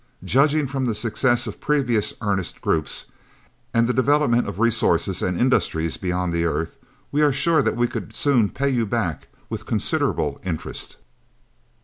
Judging from the success of previous earnest groups, and the development of resources and industries beyond the Earth, we are sure that we could soon pay you back, with considerable interest."